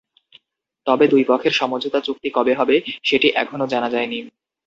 তবে দুই পক্ষের সমঝোতা চুক্তি কবে হবে, সেটি এখনো জানা যায়নি।